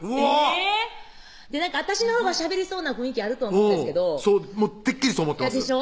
えぇっ私のほうがしゃべりそうな雰囲気あると思うんですけどてっきりそう思ってましたでしょ？